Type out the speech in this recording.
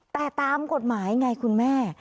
แต่ตามกฎหมายไงคุณแม่